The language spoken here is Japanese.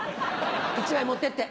１枚持ってって。